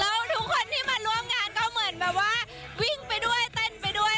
แล้วทุกคนที่มาร่วมงานก็เหมือนแบบว่าวิ่งไปด้วยเต้นไปด้วย